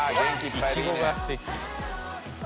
いちごがすてき。